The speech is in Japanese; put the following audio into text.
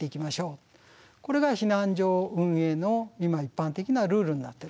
これが避難所運営の今一般的なルールになってるんですね。